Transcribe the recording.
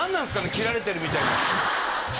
斬られてるみたいなやつ。